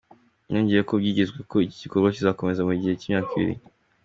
Yongeyho ko byitezwe ko iki gikorwa kizakomeza mu gihe cy'imyaka ibiri.